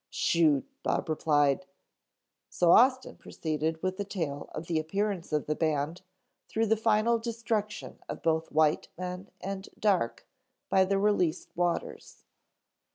"Shoot," Bob replied, so Austin proceeded with the tale of the appearance of the band, through the final destruction of both white men and dark, by the released waters.